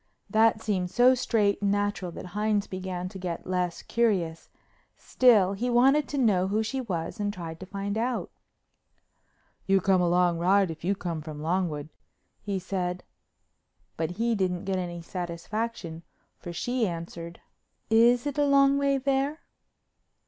That seemed so straight and natural that Hines began to get less curious, still he wanted to know who she was and tried to find out. "You come a long ride if you come from Longwood," he said. But he didn't get any satisfaction, for she answered: "Is it a long way there?"